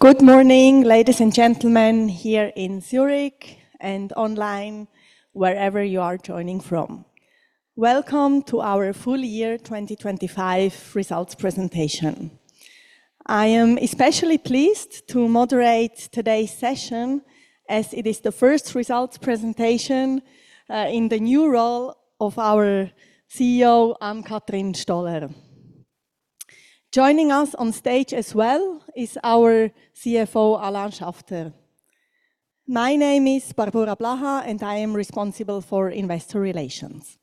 Good morning, ladies and gentlemen, here in Zurich and online, wherever you are joining from. Welcome to our full year 2025 results presentation. I am especially pleased to moderate today's session. Joining us on stage as well is our CFO, Alain Schaffter. My name is Barbora Blaha, and I am responsible for investor relations.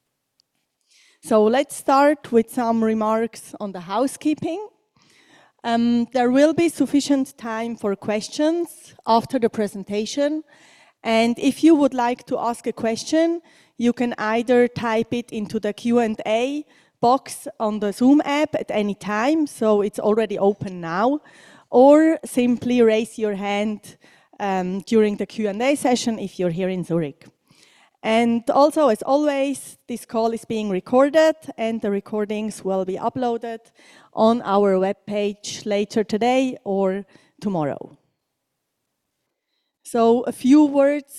Let's start with some remarks on housekeeping. There will be sufficient time for questions after the presentation. You can either type your question into the Q&A box on Zoom, or raise your hand if you’re here in Zurich. Also, as always, this call is being recorded, and the recording will be uploaded on our webpage later today or tomorrow. A few words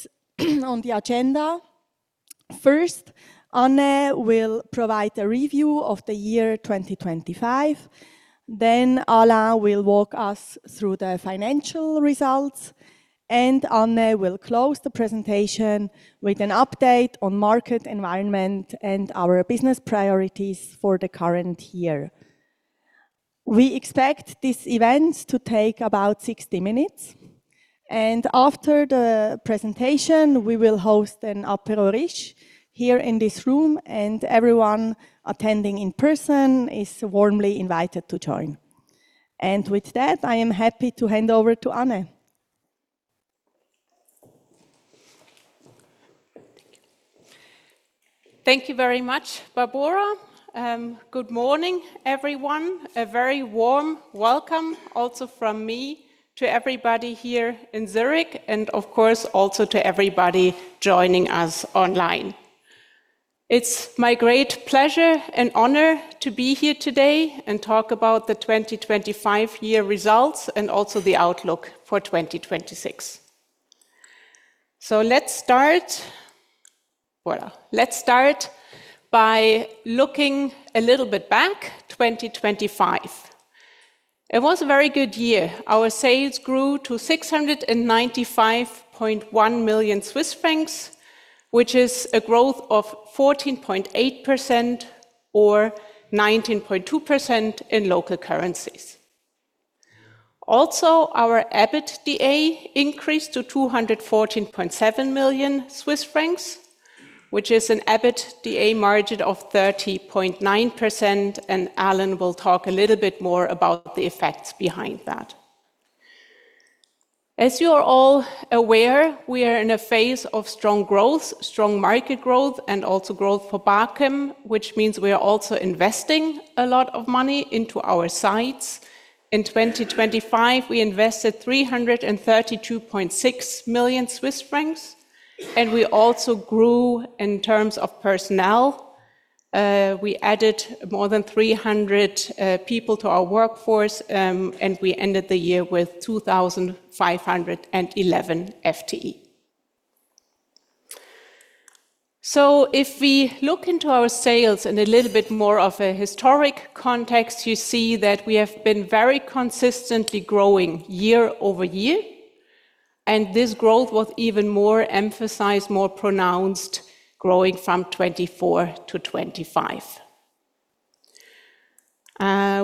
on the agenda. First, Anne will provide a review of the year 2025, then Alain will walk us through the financial results, and Anne will close the presentation with an update on the market environment and business priorities for the current year. We expect this event to take about 60 minutes, and after the presentation, we will host an apéro riche here in this room, and everyone attending in person is warmly invited to join. With that, I am happy to hand over to Anne. Thank you. Thank you very much, Barbora. Good morning, everyone. A very warm welcome also from me to everybody here in Zurich and, of course, also to everybody joining us online. It's my great pleasure and honor to be here today and talk about the 2025 year results and also the outlook for 2026. Let's start by looking a little bit back, 2025. It was a very good year. Our sales grew to 695.1 million Swiss francs, which is a growth of 14.8% or 19.2% in local currencies. Also, our EBITDA increased to 214.7 million Swiss francs, which is an EBITDA margin of 30.9%, and Alain will talk a little bit more about the effects behind that. As you are all aware, we are in a phase of strong growth, strong market growth, and also growth for Bachem, which means we are also investing a lot of money into our sites. In 2025, we invested 332.6 million Swiss francs, and we also grew in terms of personnel. We added more than 300 people to our workforce, and we ended the year with 2,511 FTE. If we look into our sales in a little bit more of a historic context, you see that we have been very consistently growing year-over-year, and this growth was even more emphasized, more pronounced, growing from 2024 to 2025.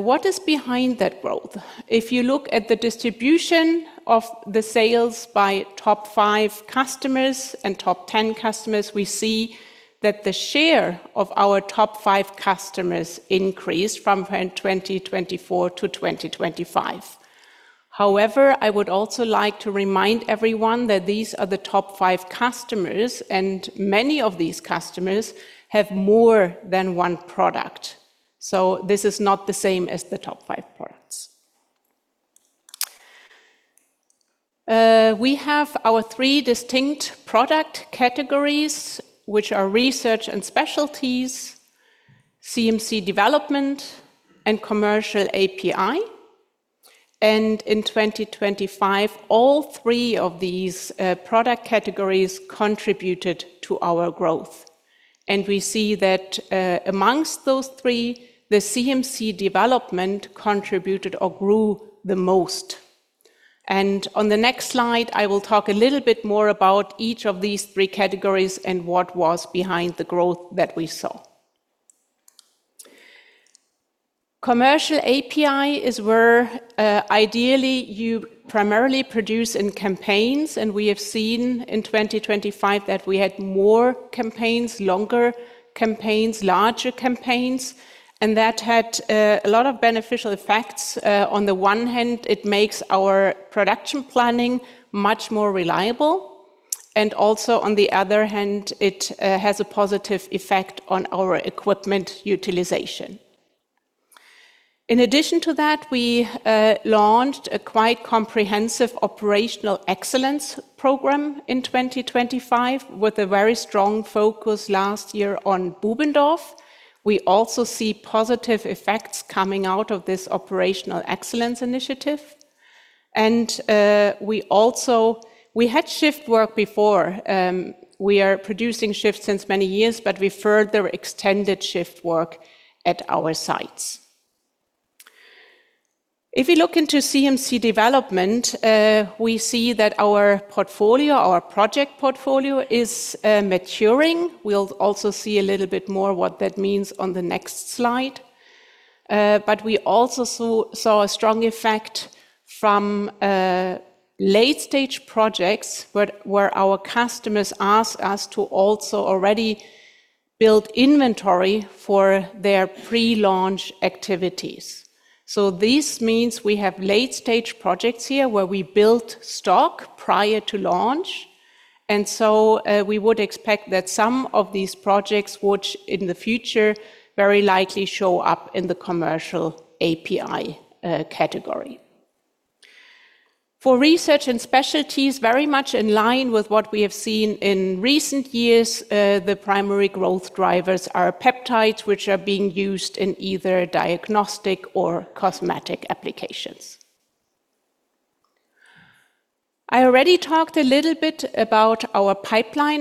What is behind that growth? Looking at sales by our top five and top ten customers, the share of our top five customers increased from 10% in 2024 to 2025. However, these are customers, not products—many customers have multiple products. We have three product categories: Research & Specialties, CMC Development, and Commercial API. In 2025, all three contributed to growth, with CMC Development growing the most. On the next slide, I will discuss each category and the drivers behind their growth. Commercial API primarily produces in campaigns. In 2025, we had more, longer, and larger campaigns, improving production planning and equipment utilization. We launched a comprehensive operational excellence program, focusing on Bubendorf last year, which produced positive effects. We also extended shift work at our sites. Regarding CMC Development, our project portfolio is maturing. We also saw strong effects from late-stage projects, where customers requested us to build inventory for pre-launch activities. Some of these projects will likely shift to the Commercial API category in the future. For Research & Specialties, growth is primarily driven by peptides for diagnostic or cosmetic applications. I’ve also discussed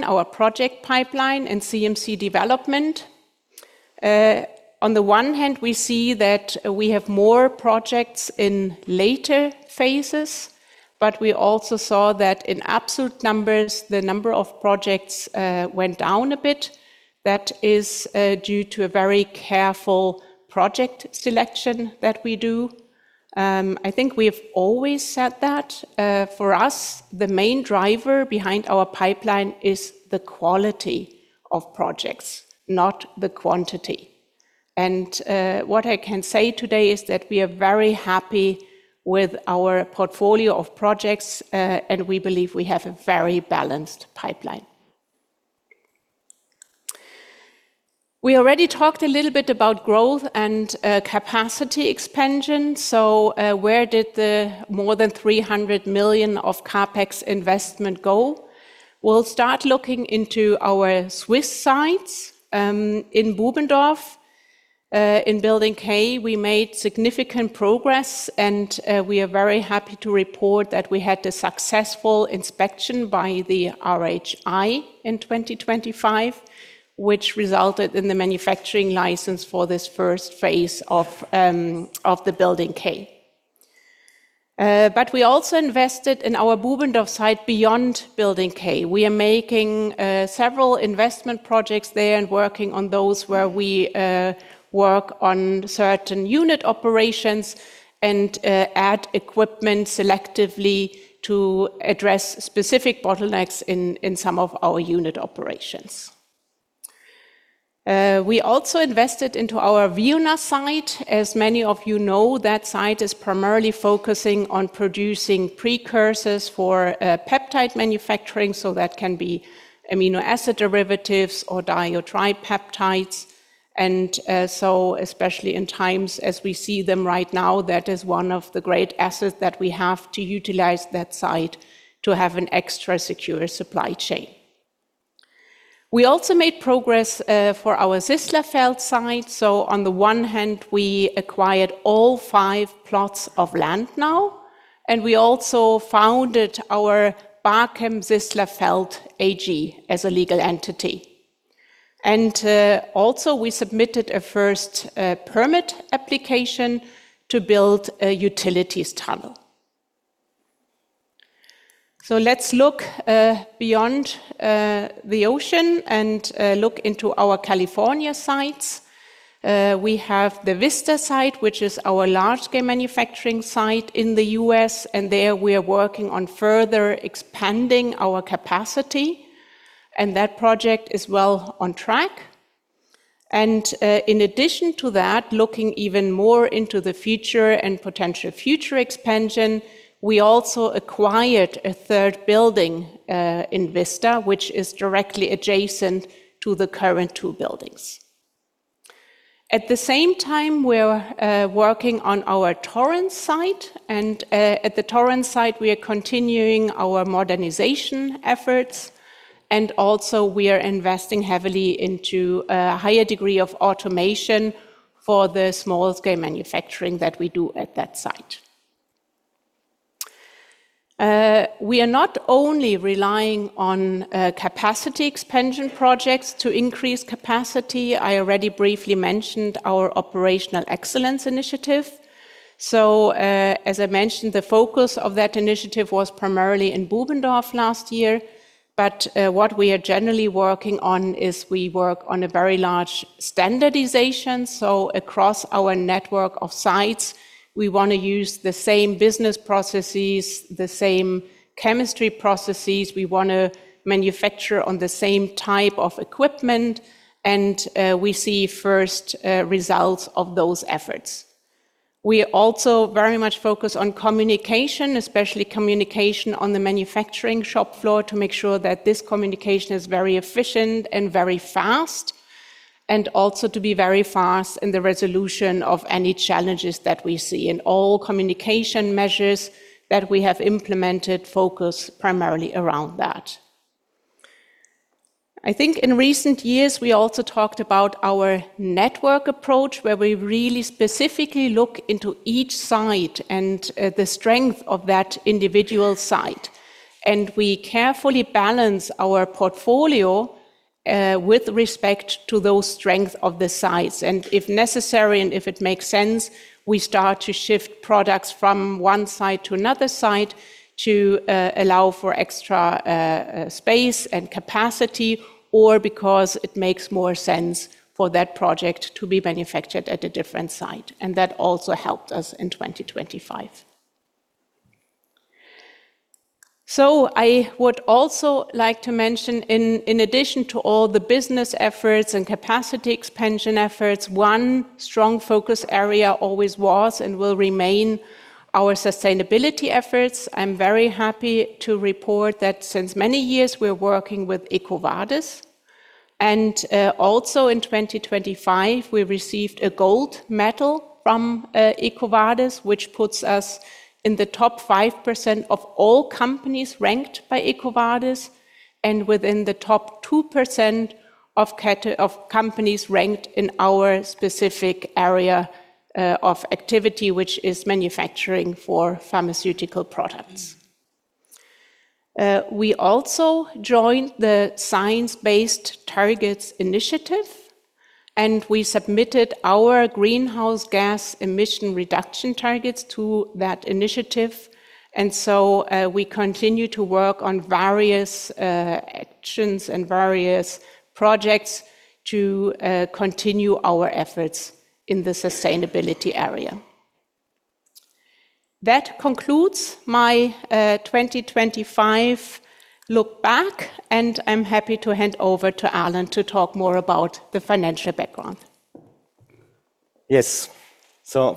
our project pipeline and CMC Development. While we have more projects in later phases, the absolute number of projects decreased slightly due to careful project selection. Our main driver is the quality of projects, not quantity. We are very happy with our portfolio, which is balanced. Regarding CapEx, over CHF 300 million was invested, starting with our Swiss sites in Bubendorf. Building K made significant progress, with a successful Swissmedic inspection in 2025 resulting in a manufacturing license for its first phase. Beyond Building K, we invested in Bubendorf, improving certain unit operations and adding equipment to address bottlenecks. In Vienna, we invested in producing precursors for peptide manufacturing, including amino acid derivatives and di- or tripeptides. This Vienna site strengthens our supply chain, especially in current times. Progress was also made at Sisslerfeld, with acquisition of all five plots, the establishment of Bachem Sisslerfeld AG, and submission of a permit application to build a utilities tunnel. In California, Vista site capacity expansion is on track. We acquired a third building at Vista adjacent to the current two. At Torrance, we are modernizing and investing in automation for small-scale manufacturing. Capacity expansion projects are not our only focus; operational excellence and standardization remain central, particularly at Bubendorf. Across our network of sites, we aim to use the same business processes and chemistry processes, and manufacture on the same type of equipment. We are already seeing first results from these efforts. Communication, especially on the manufacturing shop floor, is a key focus to ensure efficiency and rapid resolution of challenges. In recent years, we have emphasized our network approach, carefully evaluating each site and balancing our portfolio based on the individual strengths of each location. If necessary, and if it makes sense, we shift products between sites to allow extra space and capacity, or because it is more suitable for that project. This helped us in 2025. Beyond business and capacity expansion efforts, sustainability remains a core focus. I’m pleased to report that we have worked with EcoVadis for many years. In 2025, we received a gold medal, placing us in the top 5% of all companies ranked and the top 2% in our specific category of pharmaceutical manufacturing. We also joined the Science Based Targets initiative and submitted our greenhouse gas emission reduction targets. We continue various projects to advance sustainability. That concludes my 2025 look back, and I’m happy to hand over to Alain to discuss the financial background.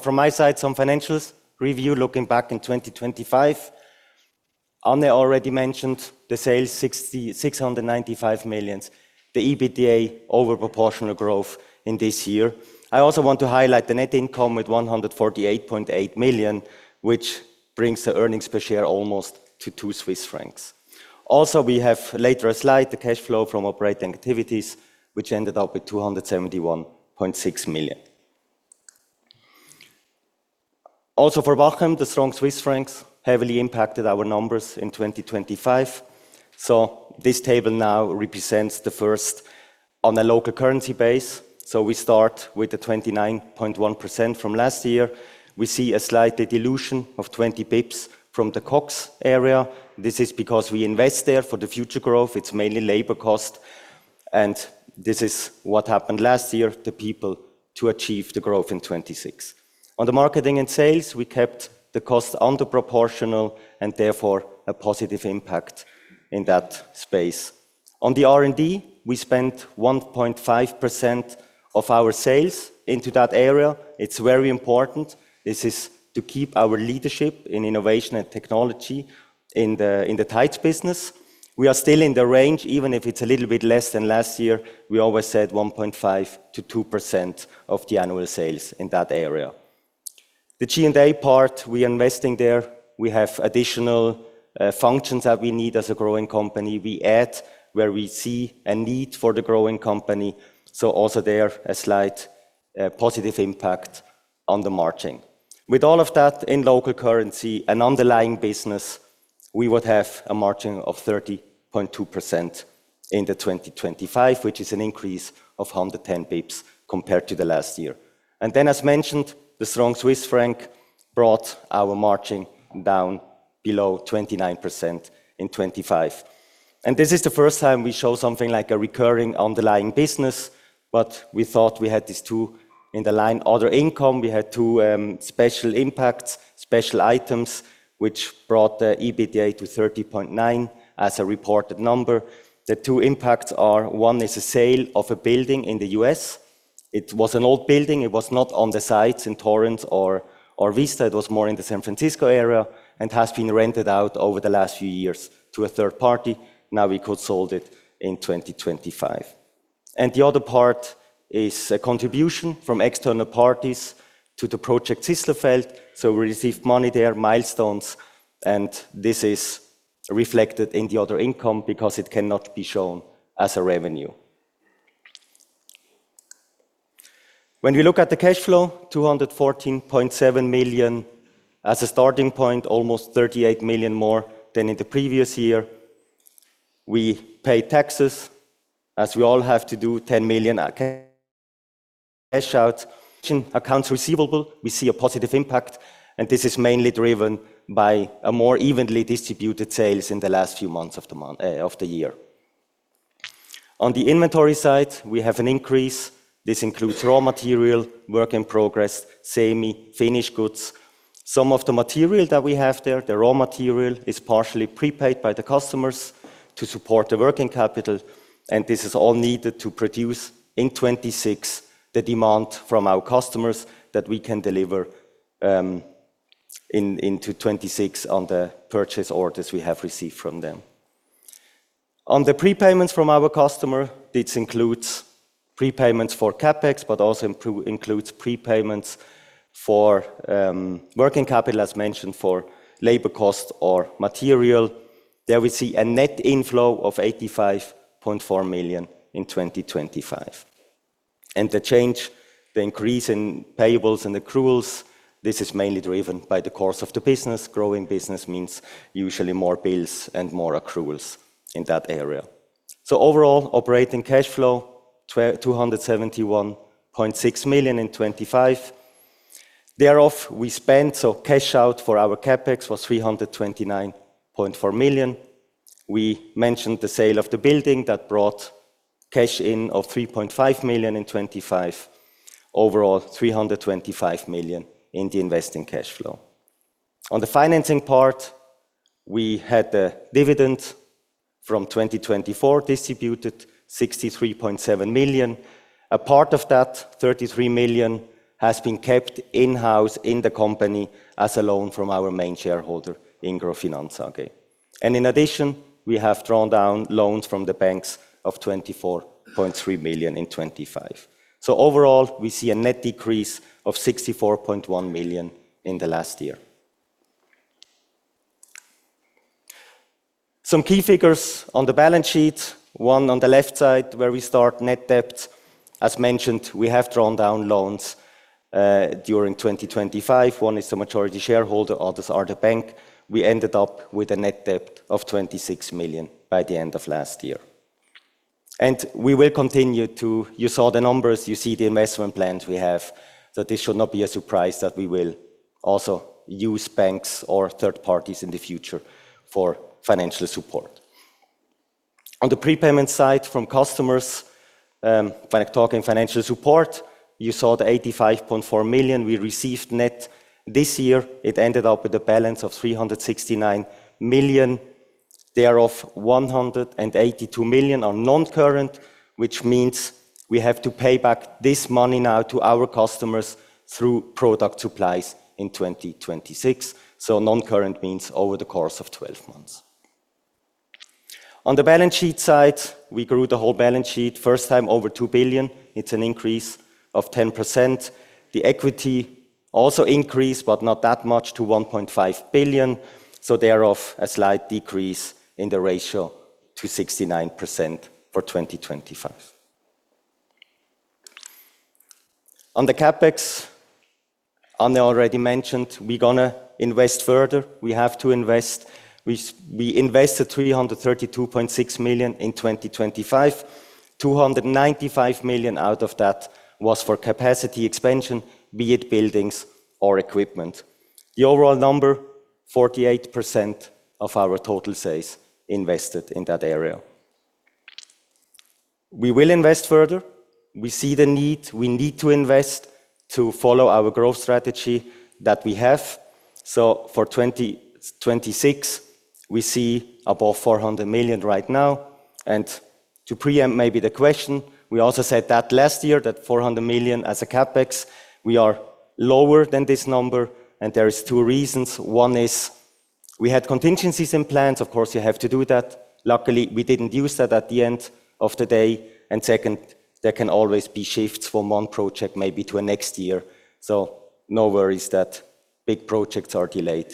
From my side, a financial review of 2025: Anne mentioned sales of 695 million and EBITDA growth. Net income was 148.8 million, yielding earnings per share of nearly 2 Swiss francs. Cash flow from operating activities ended at 271.6 million. The strong Swiss franc heavily impacted our 2025 numbers. On a local currency basis, last year’s 29.1% margin saw a slight 20 bps dilution from COGS due to investments for future growth, primarily labor costs. This sets the stage for 2026 growth plans. Marketing and sales costs were kept under proportional, positively impacting margin. R&D spending was 1.5% of sales to maintain our leadership in peptide innovation, slightly below last year but within our 1.5%-2% target range. G&A investment continued for additional functions required by our growing company, which also contributed slightly positively to the margin. With all that in local currency and underlying business, the margin was 30.2% in 2025, up 110 bps versus 2024. The strong Swiss franc reduced reported margin below 29%. Two special items increased reported EBITDA to 30.9%: sale of an old building in the San Francisco area, rented for several years, and contributions from external parties to the Sisslerfeld project, which are reflected in other income rather than revenue. Regarding cash flow, starting from 214.7 million, almost 38 million higher than the previous year, we paid 10 million in taxes. Accounts receivable positively impacted cash flow due to more evenly distributed sales in late 2025. Inventory increased, including raw materials, work in progress, and semi-finished goods, partially prepaid by customers to support working capital for 2026 production. Customer prepayments, for both CapEx and working capital, resulted in a net inflow of 85.4 million in 2025. Payables and accruals also increased due to business growth. Cash out for CapEx totaled 329.4 million. The building sale contributed CHF 3.5 million, resulting in CHF 325 million net investing cash flow. Dividends from 2024 were CHF 63.7 million, with CHF 33 million retained as a loan from our main shareholder, Ingro Finanz AG. Additional bank loans of CHF 24.3 million were drawn. Overall, net cash decreased 64.1 million in 2025. Thereof, we spent, so cash out for our CapEx was 329.4 million. We mentioned the sale of the building that brought cash in of 3.5 million in 2025. Overall, 325 million in the investing cash flow. On the financing part, we had the dividend from 2024 distributed, 63.7 million. A part of that, 33 million, has been kept in-house in the company as a loan from our main shareholder, Ingro Finanz AG. In addition, we have drawn down loans from the banks of 24.3 million in 2025. Overall, we see a net decrease of 64.1 million in the last year. Some key figures on the balance sheet, one on the left side where we start net debt. As mentioned, we have drawn down loans during 2025. Net debt at year-end was CHF 26 million, including loans from our majority shareholder and banks. Prepayments from customers totaled 369 million, with 182 million non-current, to be settled through product supply over the next 12 months. The balance sheet grew beyond 2 billion, a 10% increase. Equity rose to 1.5 billion, with a slight decrease in ratio to 69%. CapEx in 2025 totaled CHF 332.6 million, with CHF 295 million for capacity expansion, representing 48% of sales. For 2026, CapEx is expected to exceed 400 million. It's an increase of 10%. The equity also increased, but not that much, to 1.5 billion. There was a slight decrease in the ratio to 69% for 2025. On CapEx, as Anne mentioned, we will continue to invest. We invested 332.6 million in 2025, of which 295 million went into capacity expansion—buildings or equipment. Overall, 48% of our total sales were invested in this area. For 2026, we currently see investments exceeding CHF 400 million to follow our growth strategy. To preempt a question, last year we mentioned 400 million as CapEx. We ended up lower for two reasons: first, we had contingencies in the plan that fortunately weren’t needed; second, some projects can shift to the next year. So no worries—large projects are not delayed.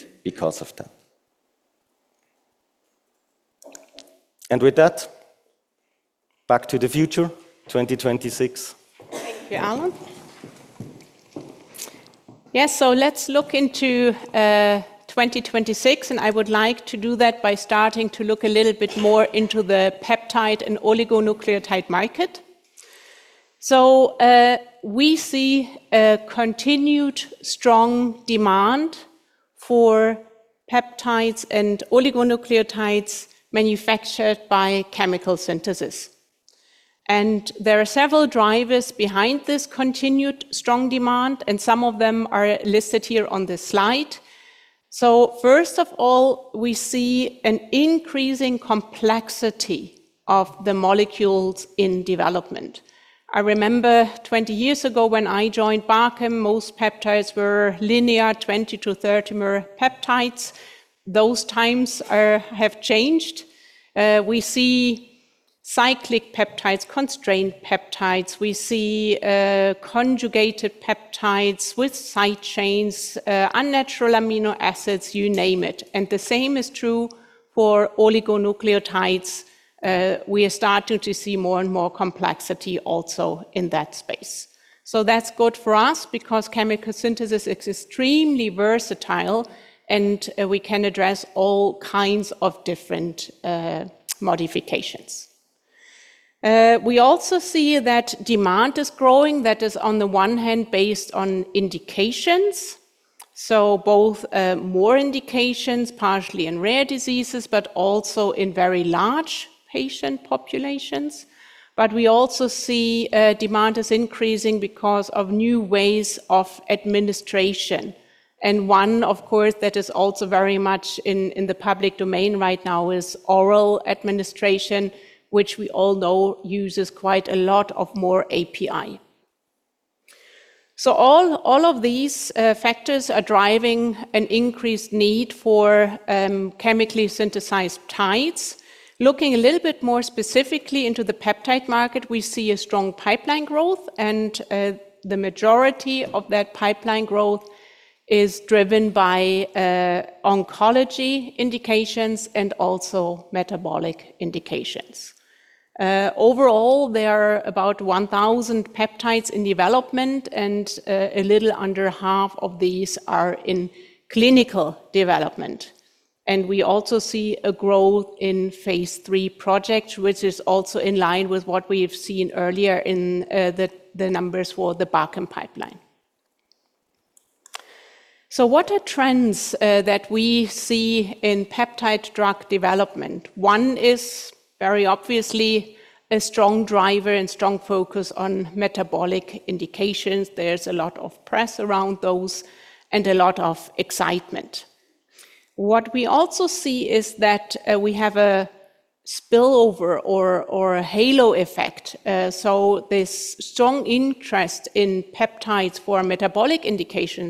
Back to the future: 2026. Thank you, Alain. Let's look at 2026, starting with the peptide and oligonucleotide market. We see continued strong demand for chemically synthesized peptides and oligonucleotides. Several drivers fuel this growth. Molecules are becoming more complex—cyclic peptides, constrained peptides, conjugated peptides with unnatural amino acids. Oligonucleotides show similar increasing complexity. Chemical synthesis is extremely versatile, allowing us to address complex modifications. Demand is growing across indications, including rare diseases and large patient populations, and from new administration routes such as oral, which requires more API. Pipeline growth is strong, primarily driven by oncology and metabolic indications. About 1,000 peptides are in development, roughly half in clinical phases. Phase 3 projects are increasing, consistent with Bachem's pipeline. Strong interest in metabolic indications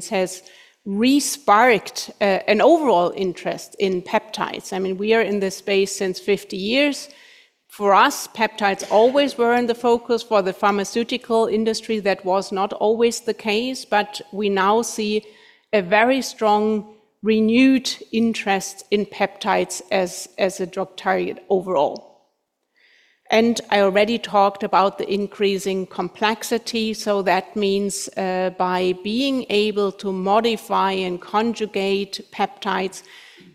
has renewed overall interest in peptides as drug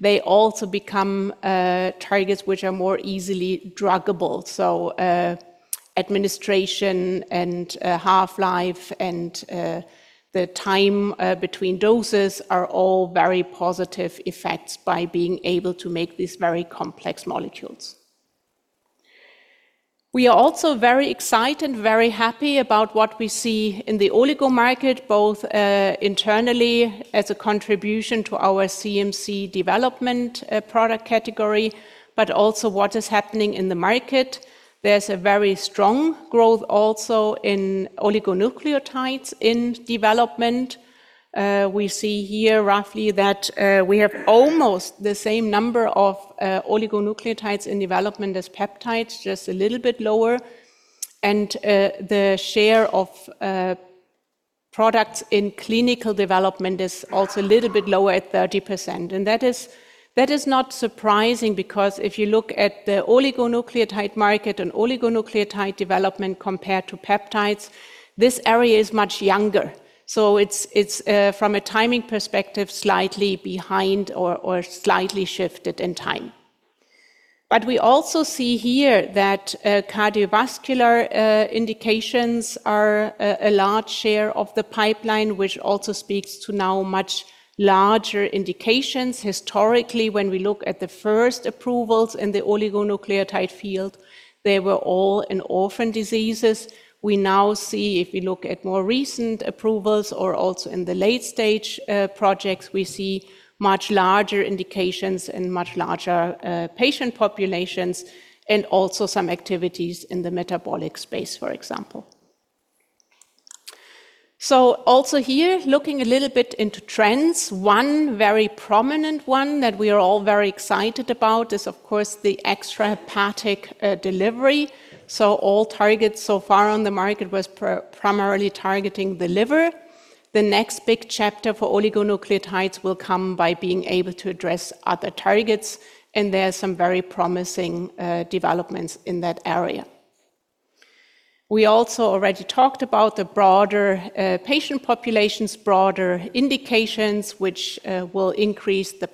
targets. Peptides are increasingly complex, enabling better druggability, longer half-lives, and optimized dosing. The oligonucleotide market is also growing rapidly, contributing to CMC development and broader market trends. Oligonucleotides in development are slightly fewer than peptides; 30% are in clinical development. Cardiovascular indications are a significant part of the pipeline. Initially, oligonucleotide approvals focused on orphan diseases, but now larger indications and metabolic projects are emerging. Extrahepatic delivery is a prominent trend—previous targets were liver-specific. Broader indications increase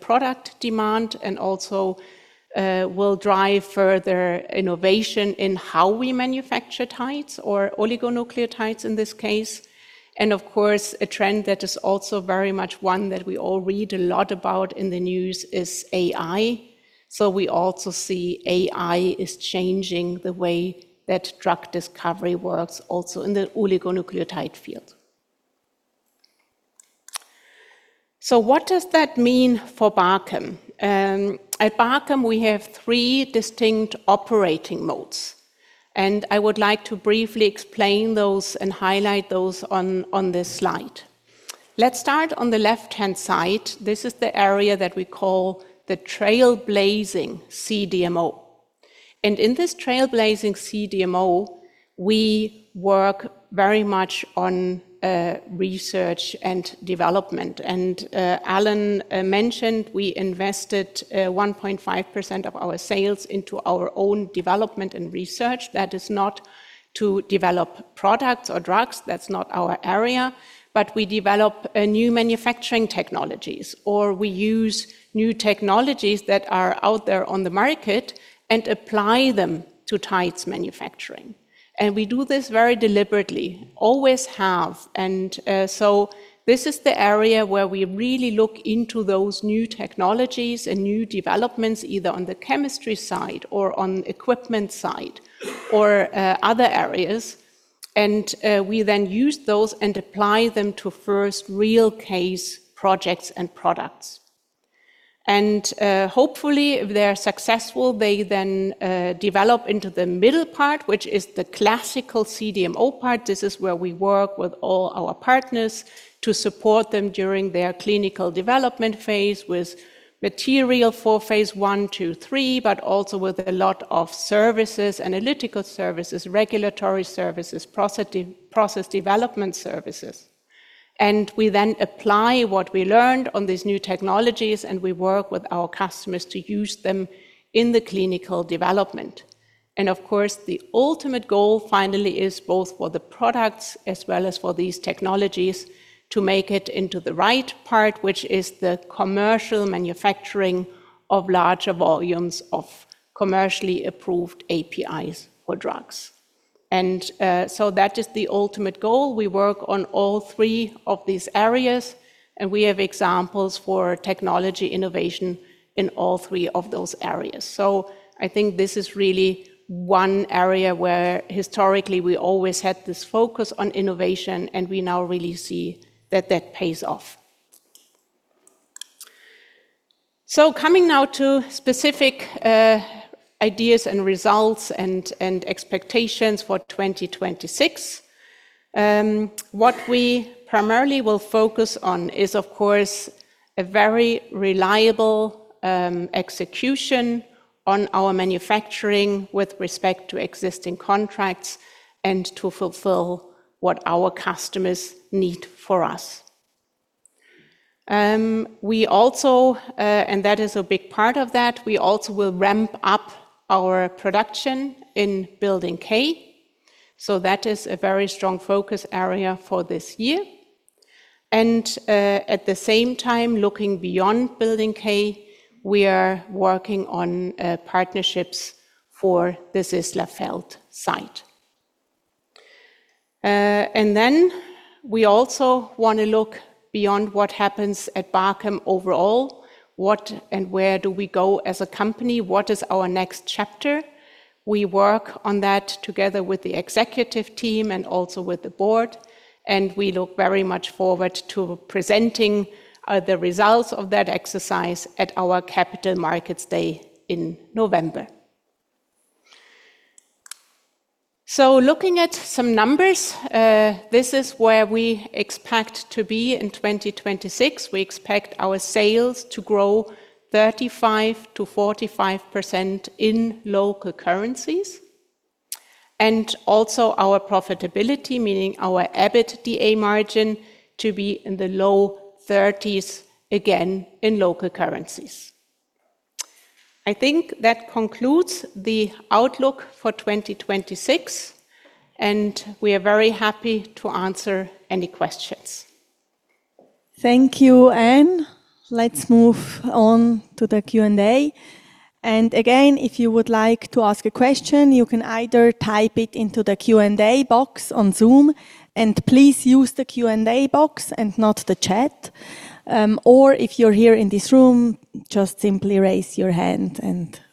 product demand and drive innovation in manufacturing peptides and oligonucleotides. AI is increasingly influencing drug discovery in oligonucleotides. Bachem has three operating modes: the trailblazing CDMO, the classical CDMO, and commercial manufacturing. The trailblazing CDMO focuses on technology development and applying new methods to peptides. Successful technologies progress to the classical CDMO for clinical development support, including analytical, regulatory, and process development services. Lessons from technology innovation are applied to clinical projects, eventually moving to commercial manufacturing of approved APIs. Innovation across all three areas is critical and now yielding results. What we primarily will focus on is, of course, a very reliable execution on our manufacturing with respect to existing contracts and fulfilling what our customers need from us. We will also ramp up production in Building K, which is a very strong focus area for this year. At the same time, looking beyond Building K, we are working on partnerships for the Sisslerfeld site. We also want to look at Bachem overall—what and where do we go as a company? What is our next chapter? We work on that together with the executive team and the board and look forward to presenting the results at our Capital Markets Day in November. Looking at some numbers, this is where we expect to be in 2026. We expect our sales to grow 35%-45% in local currencies and our profitability, meaning our EBITDA margin, to be in the low 30s%, again in local currencies. That concludes the outlook for 2026, and we are happy to answer any questions. Thank you, Anne. Let's move on to the Q&A. If you would like to ask a question, please type it into the Q&A box on Zoom. Please use the Q&A box and not the chat. If you’re here in the room, simply raise your hand.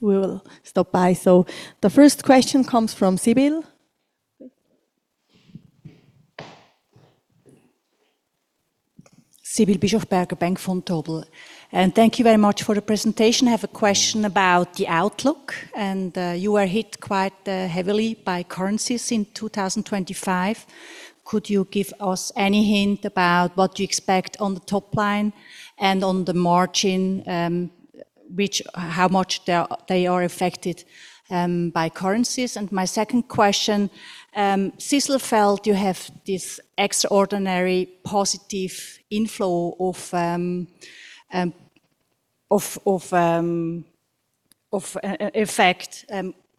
The first question comes from Sybille. Thank you very much for the presentation. I have a question about the outlook: you were hit quite heavily by currencies in 2025. Could you give us any hint about the impact on the top line and the margin? My second question is regarding Sisslerfeld: you had an extraordinary positive inflow.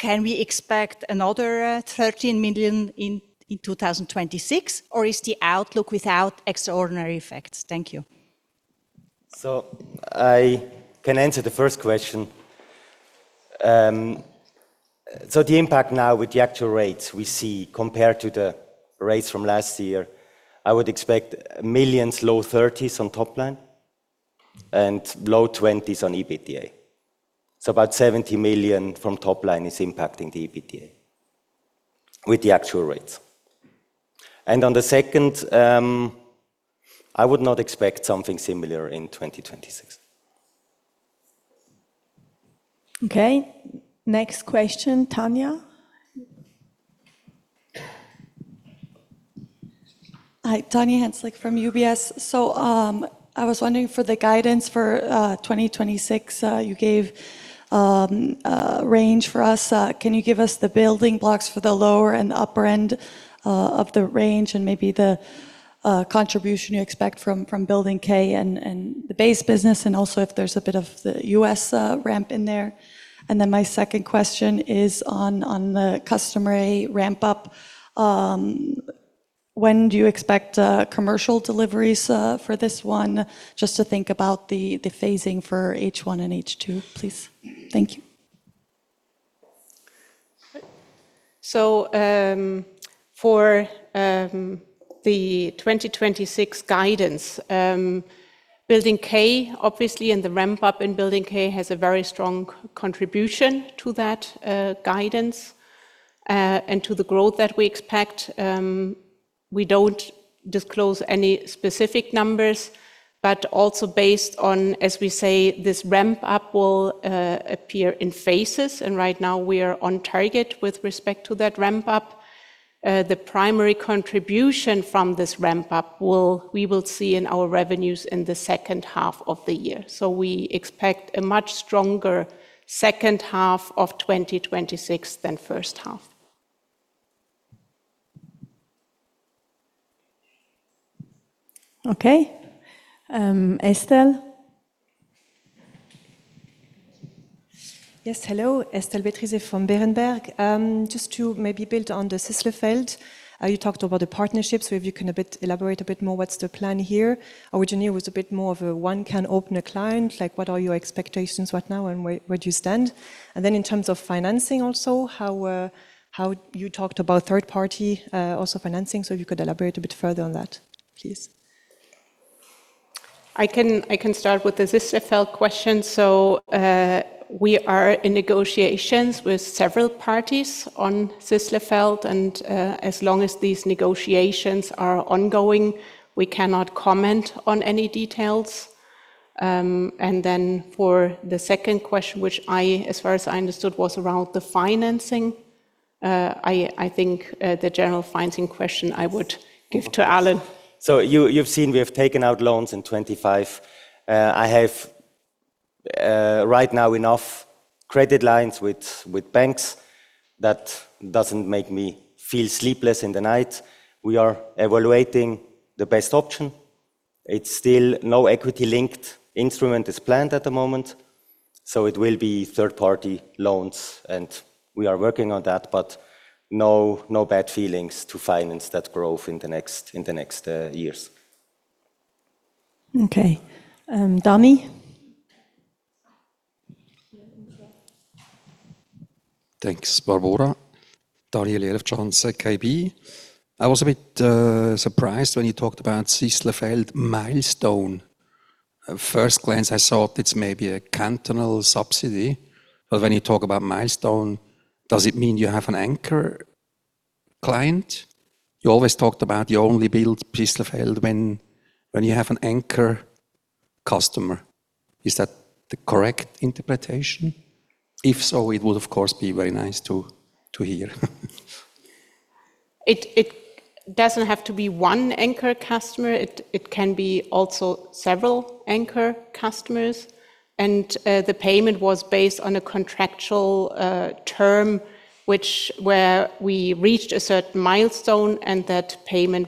Can we expect another 13 million in 2026, or is the outlook without extraordinary effects? I can answer the first question. With the actual rates we see compared to last year, I would expect CHF low 30s million on the top line and CHF low 20s million on EBITDA. About 70 million from the top line is impacting EBITDA. On the second question, I would not expect a similar effect in 2026. Okay. Next question, Tanya. Hi. For the 2026 guidance, can you provide the building blocks for the lower and upper end of the range and the contribution from Building K and the base business? Also, does the US ramp contribute? My second question is on customer ramp-up: when do you expect commercial deliveries? This helps to understand the phasing for H1 and H2.. For the 2026 guidance, Building K and its ramp-up have a very strong contribution. We don’t disclose specific numbers, but the ramp-up will appear in phases. Currently, we are on target. The primary contribution from this ramp-up will be seen in revenues in H2 2026. We expect a much stronger second half than the first half. Okay. Estelle? Hello, Estelle Bétrise from Berenberg. On Sisslerfeld, can you elaborate on the partnerships? Originium was more of a one-off client. What are your expectations now, and where do you stand? Regarding financing, can you elaborate on third-party financing? Regarding Sisslerfeld, we are in negotiations with several parties. As long as they are ongoing, we cannot comment on details. On financing, I would defer to Alain. We took out loans in 2025 and currently have sufficient credit lines. No equity-linked instruments are planned; financing will be through third-party loans. We are evaluating the best options and are confident in funding growth in the coming years. Okay. Dani? Thanks, Barbora. Regarding the Sisslerfeld milestone: is this based on an anchor client? You’ve previously said Sisslerfeld is built only with an anchor customer. Is that correct? It doesn’t have to be one anchor customer. There can be several. The payment was based on a contractual milestone that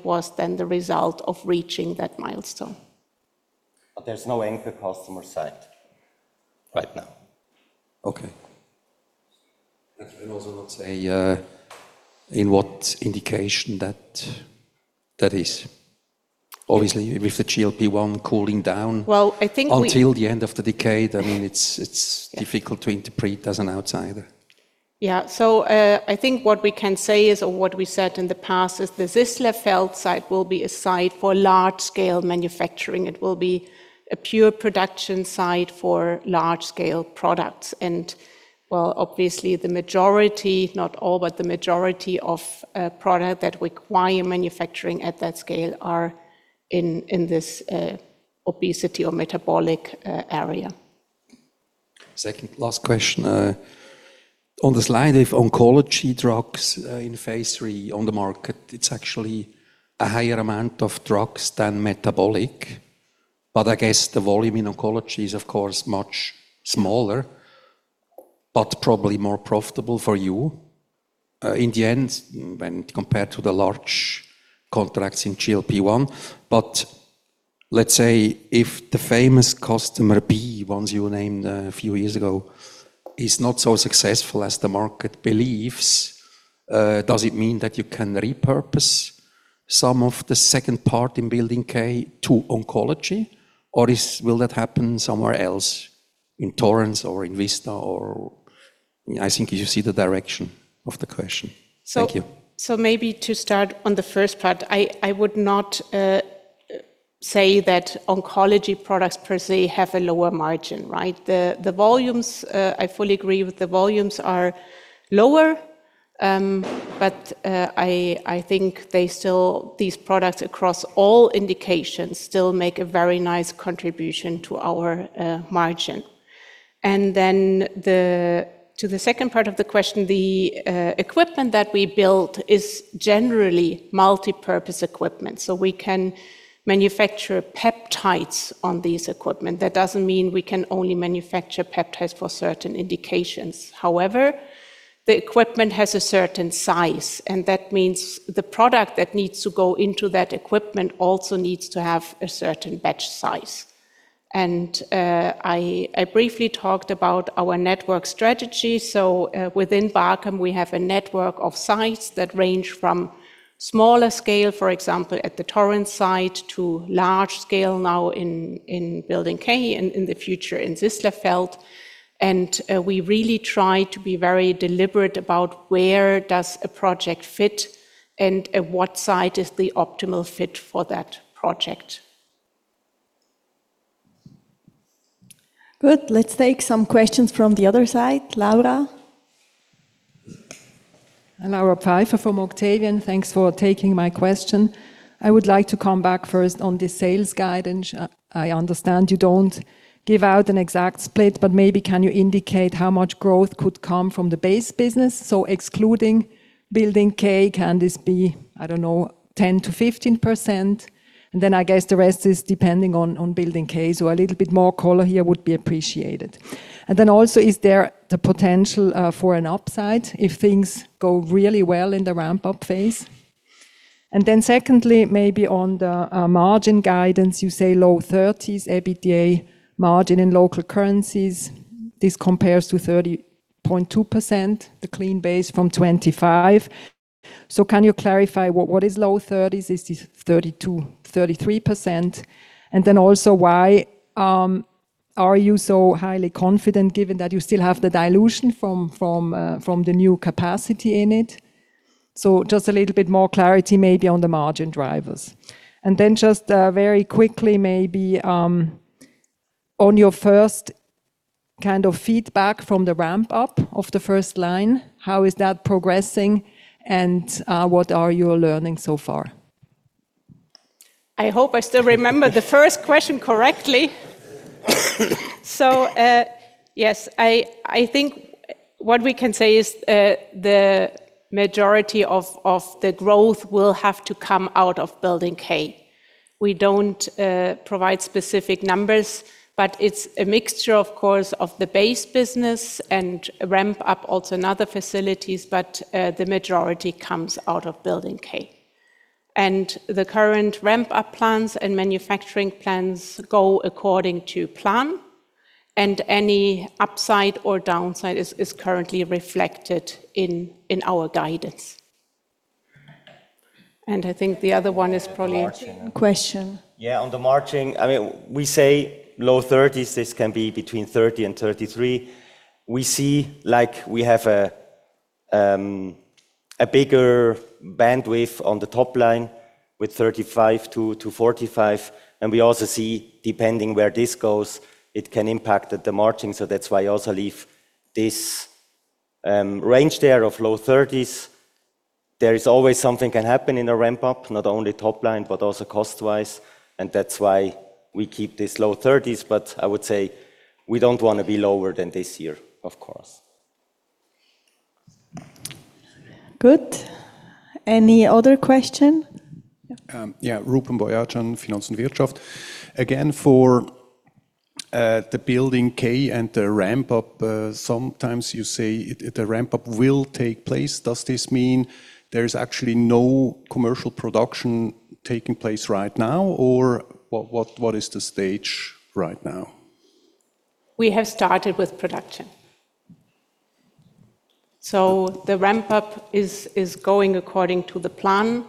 was reached. There's no anchor customer site right now. Okay. You also cannot say which indication this is, obviously with GLP-1 cooling down. Well, I think we. Until the end of the decade, it’s difficult to interpret as an outsider. The Sisslerfeld site will be for large-scale manufacturing, primarily for products requiring production at this scale. The majority, not all, are in the obesity or metabolic area. On the slide, oncology drugs in phase three appear more numerous than metabolic. Volume in oncology is smaller, but probably more profitable compared to large GLP-1 contracts. If “customer B” is not as successful as expected, can you repurpose part of Building K to oncology? Or will that happen elsewhere in Torrance or Vista? Maybe to start with the first part, I would not say that oncology products per se have a lower margin. The volumes, I fully agree, are lower, but these products across all indications still make a very nice contribution to our margin. Regarding the second part of the question, the equipment we built is generally multipurpose, so we can manufacture peptides on it. That doesn’t mean we can only manufacture peptides for certain indications. However, the equipment has a certain size, which means the product that goes into it also needs a certain batch size. I briefly mentioned our network strategy. Within Bachem, we have a network of sites ranging from smaller scale, for example at the Torrance site, to large scale, now in Building K, and in the future in Sisslerfeld. We try to be very deliberate about where a project fits and which site is the optimal fit. Good. Let’s take some questions from the other side. Laura? I’m Laura Pfeifer-Rossi from Octavian. Thanks for taking my question. I’d like to come back first on the sales guidance. I understand you don’t give an exact split, but maybe you can indicate how much growth could come from the base business? Excluding Building K, could this be around 10%-15%? Then I guess the rest depends on Building K. A little more color here would be appreciated. Also, is there potential for upside if things go really well in the ramp-up phase? Secondly, on the margin guidance, you say low-thirties EBITDA margin in local currencies. This compares to 30.2%, the clean base from 2025. Can you clarify what “low-thirties” means—32%-33%? Also, why are you so confident given that you still have the dilution from new capacity? Just a bit more clarity on margin drivers. Very quickly, maybe some first feedback from the ramp-up of the first line—how is that progressing and what are you learning so far? I hope I still remember the first question correctly. Yes, the majority of growth will have to come from Building K. We don’t provide specific numbers, but it’s a mixture of the base business and ramp-up in other facilities. The majority comes from Building K. Current ramp-up and manufacturing plans are going according to plan, and any upside or downside is currently reflected in our guidance. On the margin a question. Yeah, on the margin, we say low 30s percent. This can be between 30% and 33%. We have a broader top-line range of 35%-45%, and depending on where this goes, it can impact the margin. That’s why we leave this range at low 30s. There’s always a possibility of variations in ramp-up, not only top-line but also cost-wise, so we keep this range, but we don’t want to be lower than this year. Good. Any other question? Yeah. Yeah. For Building K and the ramp-up, sometimes you say it will take place. Does this mean there’s no commercial production right now, or what is the current stage? We have started production. The ramp-up is going according to plan,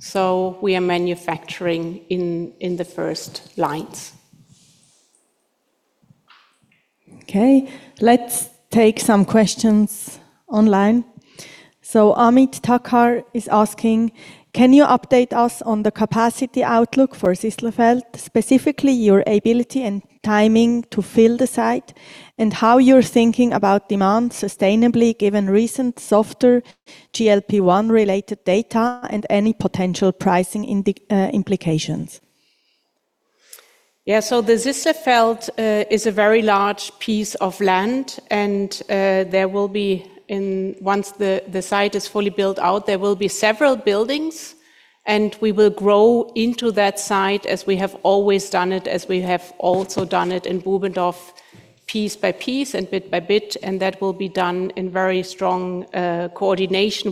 so we are manufacturing in the first lines. Okay, let’s take some questions online. Amit Thakkar is asking, “Can you update us on the capacity outlook for Sisslerfeld, specifically your ability and timing to fill the site, and how you’re thinking about demand sustainably given recent softer GLP-1 related data and potential pricing implications?” The Sisslerfeld site is very large, and once fully built out, it will have several buildings. We will grow into the site gradually, as we did in Bubendorf, coordinating closely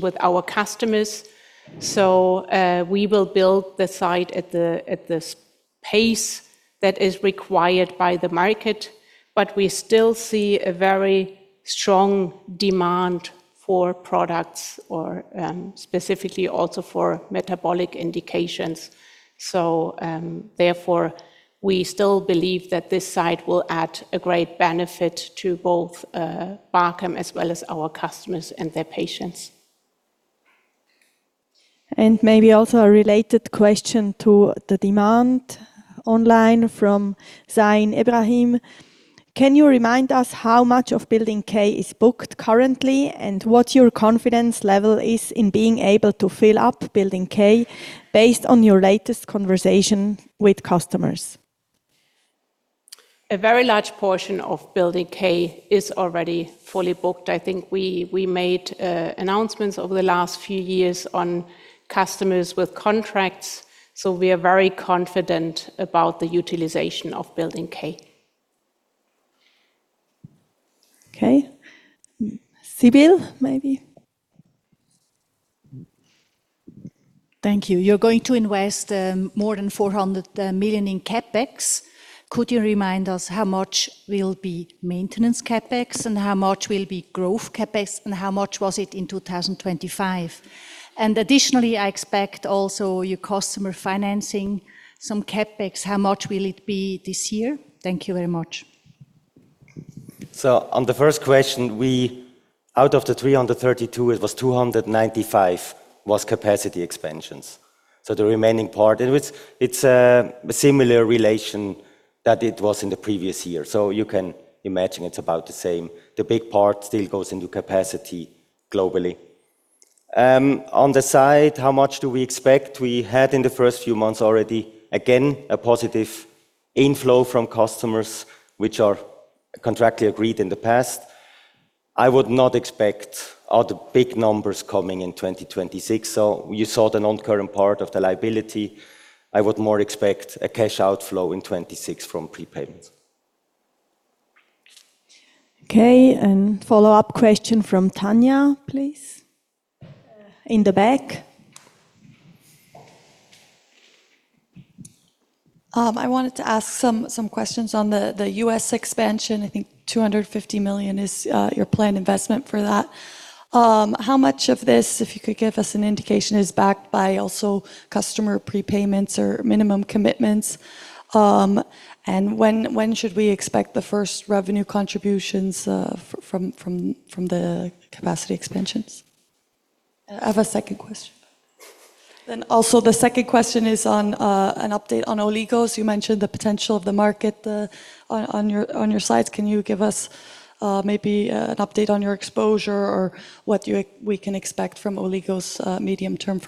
with our customers. We will build the site at the pace required by the market. We still see strong demand, specifically for metabolic indications, so this site will bring great benefit to both Bachem and our customers and their patients. Maybe a related question from Zain Ebrahim: “How much of Building K is currently booked and what is your confidence in filling it?” A large portion is already fully booked. Announcements over the last few years confirm customer contracts, so we are very confident about utilization. You plan to invest over 400 million in CapEx. Could you remind us how much is maintenance CapEx versus growth CapEx, and how much was it in 2025? Additionally, how much customer financing is expected this year? Of the 332 million in 2025, 295 million was capacity expansion. The remaining part follows a similar ratio as the previous year. The majority goes into global capacity. In the first months of 2026, we already had a positive inflow from contractually agreed customer prepayments. I don’t expect additional large inflows in 2026. Regarding non-current liabilities, I expect cash outflows from prepayments. Okay, follow-up question from Tanya, please. In the back. Regarding the U.S. expansion, 250 million is planned. How much is backed by customer prepayments or minimum commitments? When should we expect first revenue contributions from the capacity expansions? I have a second question. Also, a second question on oligonucleotides: You mentioned the market potential on your slides. Can you give an update on Bachem’s exposure and what we can expect medium term?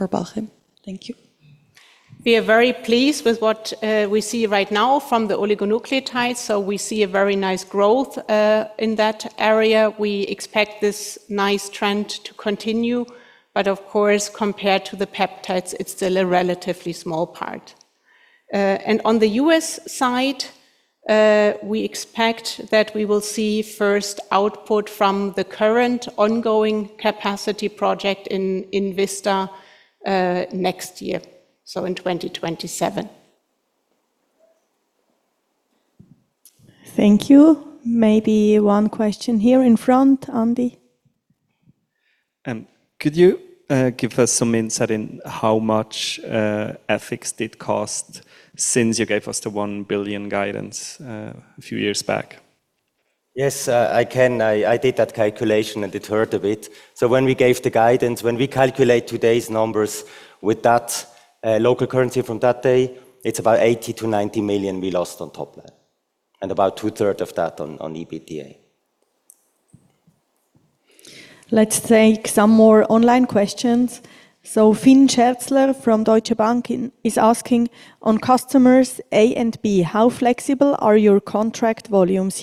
We are very pleased with the oligonucleotides pipeline. We see strong growth, which we expect to continue, but it’s still a smaller part compared to peptides. On the U.S. side, first output from the ongoing capacity project in Vista is expected in 2027. Thank you. Maybe one question here in front, Andy. Could you give us some insight into how much FX did cost since you gave us the 1 billion guidance a few years back? Yes, I can. I did that calculation and it hurt a bit. When we gave the guidance and calculate today’s numbers in local currency from that day, it’s about 80–90 million lost on top line, and about two-thirds of that on EBITDA. Let’s take some more online questions. Falko Friedrichs from Deutsche Bank is asking about customers A and B: how flexible are your contract volumes?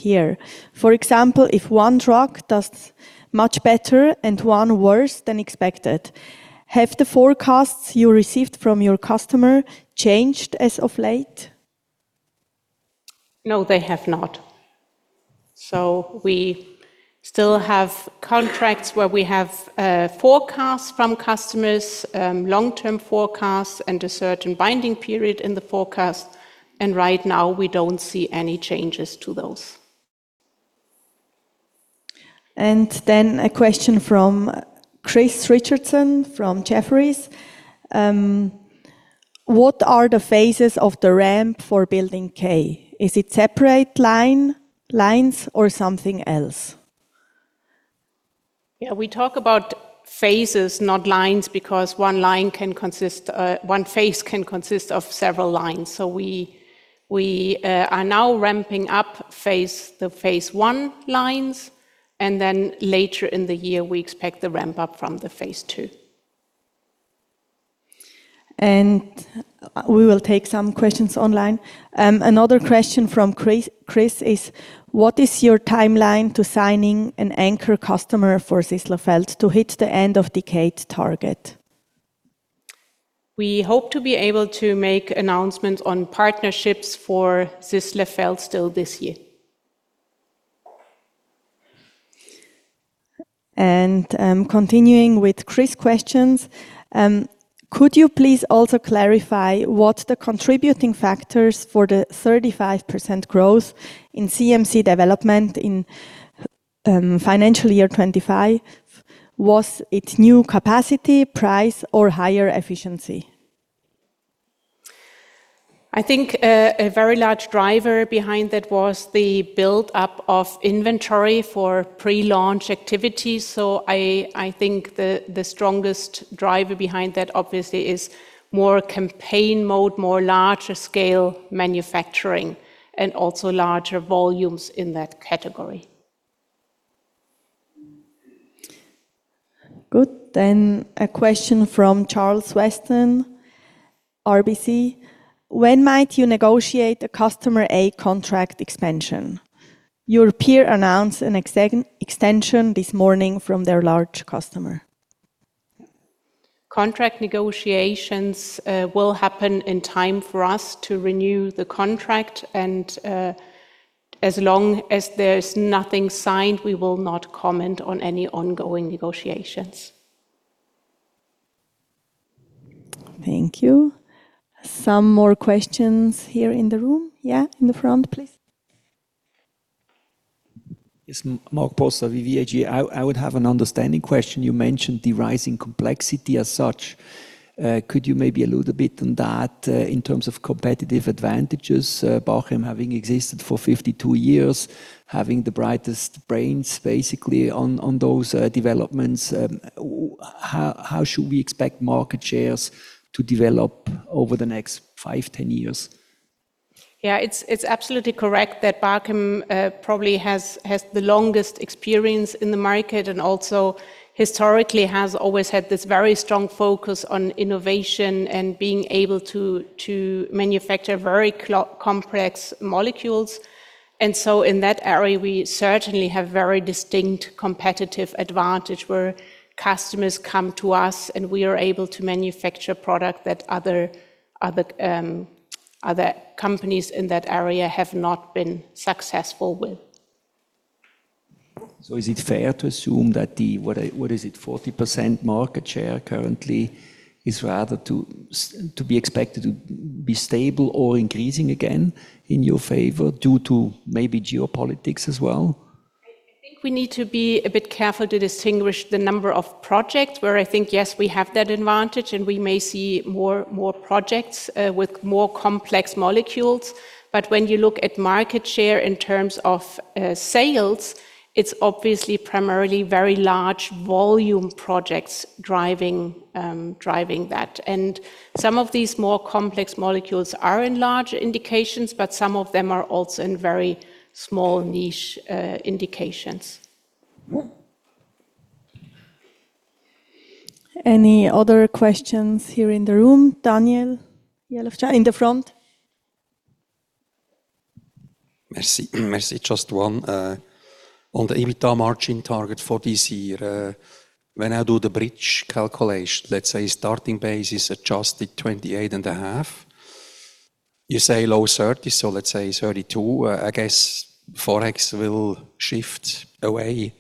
For example, if one drug does much better and one worse than expected, have the forecasts you received from your customer changed recently? No, they have not. We still have contracts with long-term forecasts from customers and a certain binding period. Right now, we don’t see any changes. A question from Christopher Richardson from Jefferies: what are the phases of the ramp for building K? Is it separate lines or something else? Yeah, we talk about phases, not lines, because one line can consist, one phase can consist of several lines. We are now ramping up phase, the phase one lines, and then later in the year, we expect the ramp up from the phase two. Another question from Chris Richardson: what is your timeline for signing an anchor customer for Sisslerfeld to hit the end-of-decade target? We hope to make announcements on Sisslerfeld partnerships still this year. Continuing with Chris’ questions: could you clarify the contributing factors for the 35% growth in CMC development in FY 2025? Was it new capacity, price, or higher efficiency? A very large driver was the build-up of inventory for pre-launch activities. The strongest driver is more campaign mode, larger-scale manufacturing, and larger volumes in that category. Good. A question from Charles Weston, RBC: when might you negotiate a customer A contract expansion? Your peer announced an extension this morning. Contract negotiations will happen in time for renewal. As long as nothing is signed, we cannot comment on ongoing negotiations. Thank you. Any more questions in the room? Yes, in the front, please. I have an understanding question. You mentioned rising complexity. Could you elaborate on competitive advantages, with Bachem’s 52 years of experience? How should we expect market shares to develop over 5–10 years? Absolutely. Bachem has the longest market experience and a strong focus on innovation. We manufacture very complex molecules and have distinct competitive advantages—customers come to us for products other companies could not successfully produce. Is it fair to assume the current 40% market share will remain stable or increase due to factors like geopolitics? We must distinguish the number of projects. Yes, we have advantages and may see more complex molecule projects. Market share in sales is mainly driven by large-volume projects; some complex molecules are in smaller niche indications... Any other questions here in the room? Daniel Jelovcan in the front. Merci. On EBITDA margin target: starting base is 28.5%, you say low 30s, e.g., 32%. FX shifts may occur.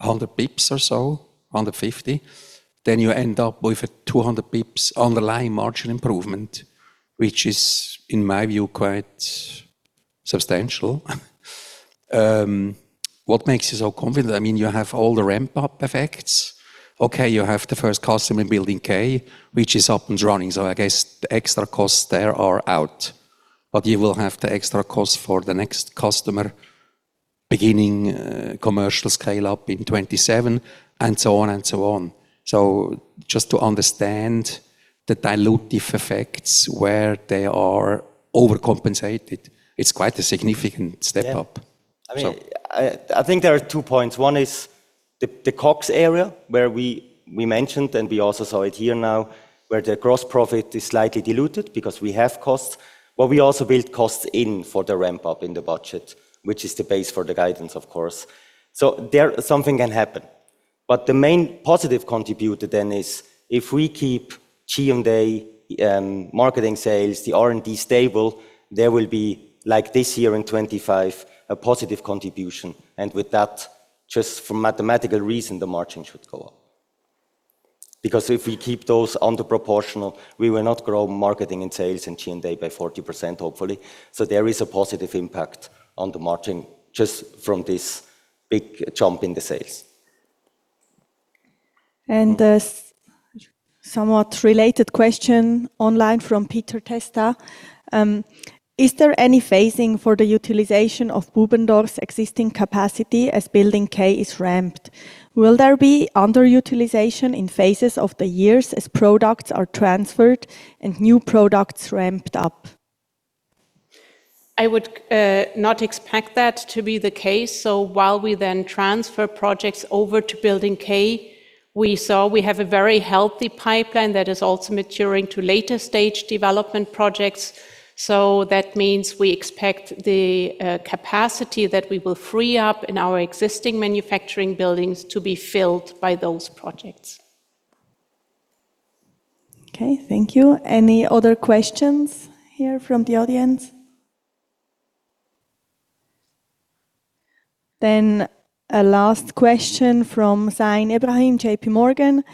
How confident are you despite ramp-up effects and next customer scale-up in 2027? Yeah. So... There are two points. One: COGS slightly dilutes gross profit due to ramp-up costs included in the guidance. Two: if we keep G&A, marketing, sales, and R&D stable, there’s a positive margin contribution from higher sales. So mathematically, the margin should increase. Related question online from Peter Testa: phasing for Bubendorf utilization as building K ramps? Will there be underutilization? I don’t expect that. Free capacity from transfers to building K will be filled by maturing pipeline projects.I don’t expect that. Free capacity from transfers to building K will be filled by maturing pipeline projects. Last question from Zain Ebrahim, J.P. Morgan: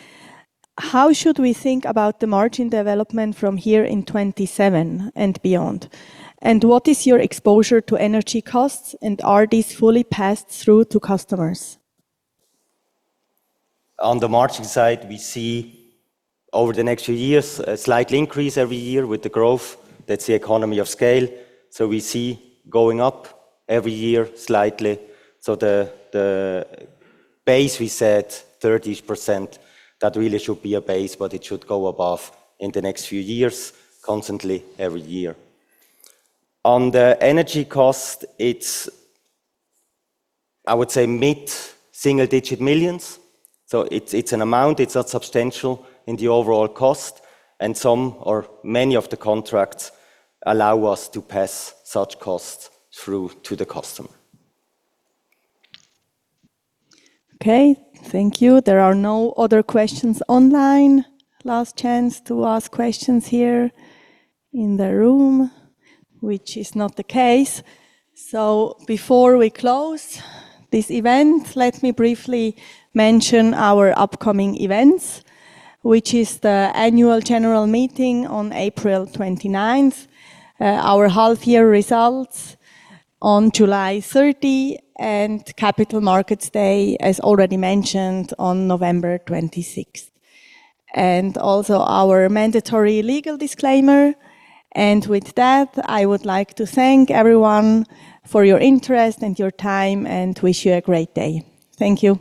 margin development in 2027 and beyond? Exposure to energy costs and pass-through? We expect a slight yearly margin increase from growth—economies of scale. Base is 30%. Energy costs are mid-single-digit CHF millions, not substantial. Many contracts allow cost pass-through. No further online questions. Last chance for questions here. Before closing, upcoming events: AGM April 29, half-year results July 30, Capital Markets Day November 26. Mandatory legal disclaimer applies. Thank you all.